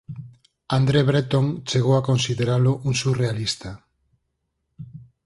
André Breton chegou a consideralo un surrealista.